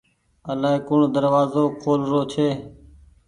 الآئي ڪوڻ دروآزو کول رو ڇي۔